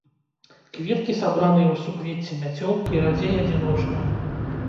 Кветкі сабраныя ў суквецці-мяцёлкі, радзей адзіночныя.